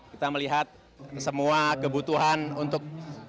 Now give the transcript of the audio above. kita melihat semua kebutuhan untuk